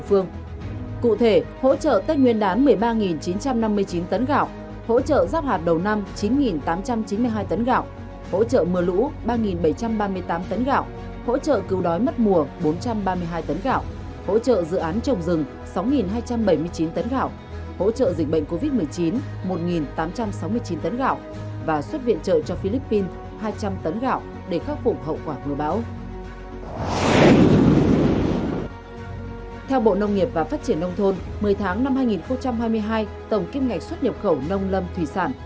phát triển nông thôn một mươi tháng năm hai nghìn hai mươi hai tổng kiếm ngạch xuất nhập khẩu nông lâm thủy sản